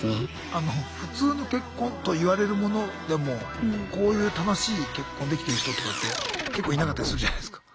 あの普通の結婚といわれるものでもこういう楽しい結婚できてる人とかって結構いなかったりするじゃないすか。